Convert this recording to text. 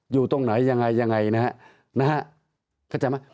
อยู่ตรงไหนอย่างไรอย่างไรนะครับ